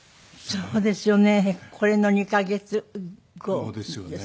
そうですよね。